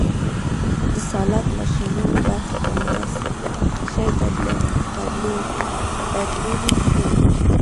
د سلاټ ماشینونو برخه په مناسب شي بدلولی شو